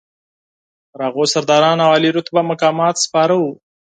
پر هغو سرداران او عالي رتبه مقامات سپاره وو.